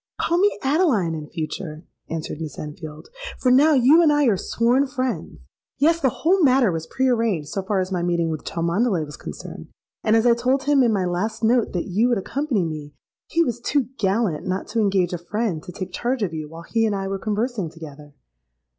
—'Call me Adeline in future,' answered Miss Enfield; 'for now you and I are sworn friends. Yes; the whole matter was pre arranged so far as my meeting with Cholmondeley was concerned; and as I told him in my last note that you would accompany me, he was too gallant not to engage a friend to take charge of you while he and I were conversing together.'